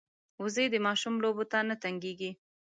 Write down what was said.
وزې د ماشوم لوبو ته نه تنګېږي